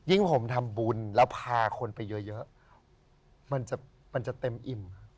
ผมทำบุญแล้วพาคนไปเยอะมันจะเต็มอิ่ม